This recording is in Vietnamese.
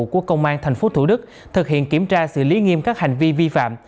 của công an tp thủ đức thực hiện kiểm tra xử lý nghiêm các hành vi vi phạm